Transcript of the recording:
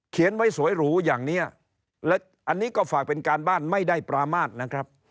เขียนไว้สวยหรูอย่างนี้อันนี้ก็ฝากเป็นการบ้านไม่ได้ปรามาทนะครับ